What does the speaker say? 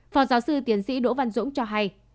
phó giáo sư tiến sĩ đỗ văn dũng cho hay